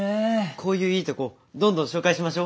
こういういいとこどんどん紹介しましょ。